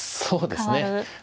そうですね。